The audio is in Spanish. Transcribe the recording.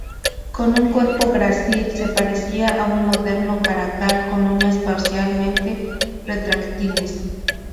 Con un cuerpo grácil, se parecían a un moderno caracal, con uñas parcialmente retráctiles.